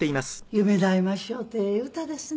『夢であいましょう』ってええ歌ですね。